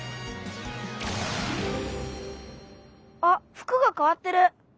あ服がかわってる。